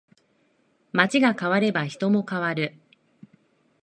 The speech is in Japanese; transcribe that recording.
街が変われば人も変わる